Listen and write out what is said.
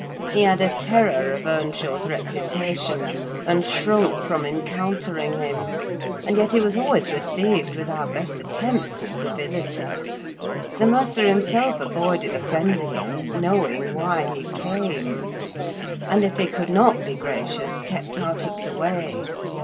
He had a terror of Earnshaw's reputation, and shrunk from encountering him; and yet he was always received with our best attempts at civility: the master himself avoided offending him, knowing why he came; and if he could not be gracious, kept out of the way.